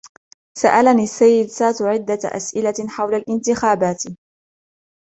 سألني السيد ساتو عدة أسئلة حول الانتخابات.